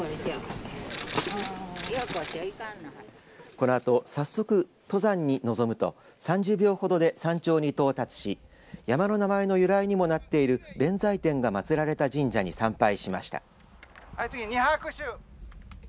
このあと早速、登山に臨むと３０秒ほどで山頂に到達し山の名前の由来にもなっている弁財天が祭られた神社に参拝しました。